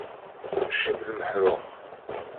Ccib lmeḥṛuq!